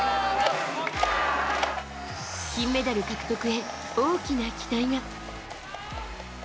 金メダル獲得へ大きな期待が。